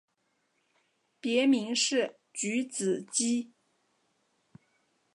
别名是菊子姬。